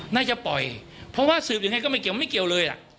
น่าจะปล่อยเพราะว่าสืบยังไงก็ไม่เกี่ยวไม่เกี่ยวเลยล่ะ